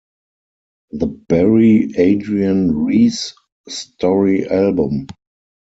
The Barry Adrian Reese Story album.